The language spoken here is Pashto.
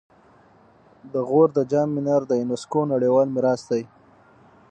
د غور د جام منار د یونسکو نړیوال میراث دی